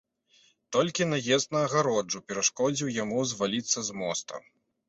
Толькі наезд на агароджу перашкодзіў яму зваліцца з моста.